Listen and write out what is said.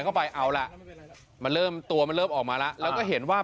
เข้าไปเอาล่ะมันเริ่มตัวมันเริ่มออกมาแล้วแล้วก็เห็นว่า